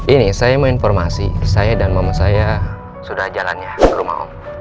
ini saya mau informasi saya dan mama saya sudah jalannya ke rumah om